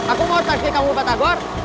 aku mau takdir kamu patagor